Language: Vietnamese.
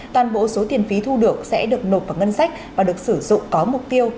toàn bộ số tiền phí thu được sẽ được nộp vào ngân sách và được sử dụng có mục tiêu